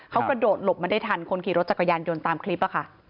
เขากระโดดหลบมาได้ทันคนขี่รถจักรยานยนต์ตามคลิปค่ะ